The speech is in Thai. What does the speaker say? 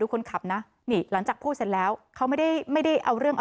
คนขับนะนี่หลังจากพูดเสร็จแล้วเขาไม่ได้ไม่ได้เอาเรื่องเอา